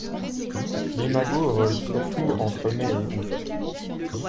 L'imago vole surtout entre mai et août.